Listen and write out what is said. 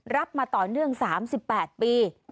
รับมาต่อเนื่อง๓๘ปี